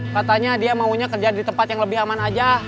katanya dia maunya kerja di tempat yang lebih aman aja